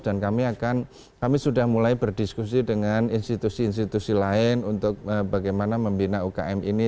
dan kami akan kami sudah mulai berdiskusi dengan institusi institusi lain untuk bagaimana membina ukm ini